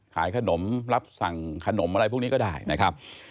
ขายขนมรับสั่งขนมอะไรพวกนี้ก็ได้นะครับ